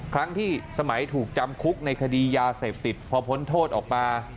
ครั้งที่สมัยถูกจำคุกในคดียาเสพติดพอพ้นโทษออกมา